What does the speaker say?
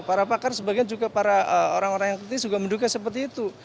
para pakar sebagian juga para orang orang yang kritis juga menduga seperti itu